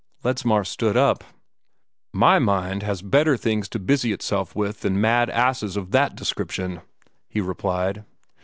Ledsmar stood up. "My mind has better things to busy itself with than mad asses of that description," he replied.